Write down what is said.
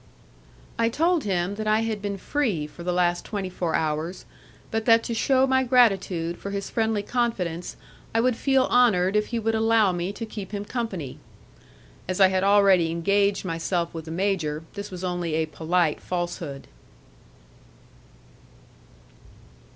I told him that I had been free for the last twenty four hours, but that to shew my gratitude for his friendly confidence I would feel honoured if he would allow me to keep him company. As I had already engaged myself with the major, this was only a polite falsehood.